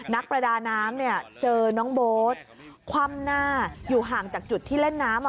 นักประดาน้ำเนี่ยเจอน้องโบ๊ทคว่ำหน้าอยู่ห่างจากจุดที่เล่นน้ำ